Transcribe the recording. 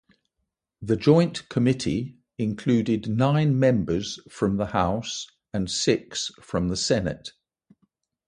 The joint committee included nine members from the House, and six from the Senate.